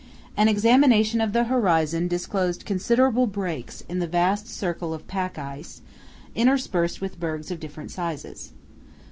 An examination of the horizon disclosed considerable breaks in the vast circle of pack ice, interspersed with bergs of different sizes.